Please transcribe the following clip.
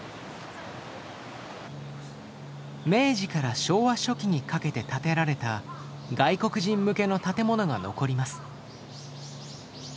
明治から昭和初期にかけて建てられた外国人向けの建物が残ります。